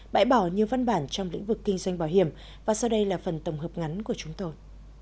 bãi bỏ nhiều văn bản trong lĩnh vực kinh doanh bảo hiểm và sau đây là phần tổng hợp ngắn của chúng tôi